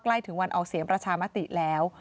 ใกล้ถึงวันออกเสียงประชามติแล้ว